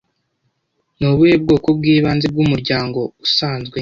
Ni ubuhe bwoko bw'ibanze bw'umuryango usanzwe